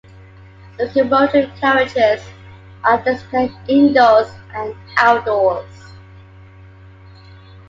Locomotive and carriages are displayed indoors and outdoors.